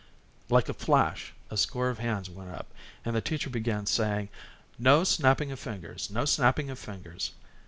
Like a flash a score of hands went up, and the teacher began saying: "No snapping of fingers, no snapping of fingers."